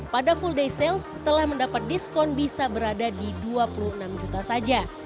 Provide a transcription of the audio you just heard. pada full day sale setelah mendapat diskon bisa berada di dua puluh enam juta saja